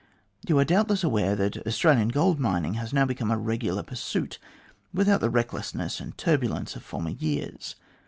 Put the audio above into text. You are, doubtless, aware that Australian gold mining has now become a regular pursuit, without the recklessness and turbulence of former years.